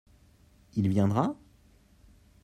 Il viendra ?